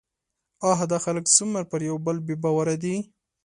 اه! دا خلک څومره پر يوبل بې باوره دي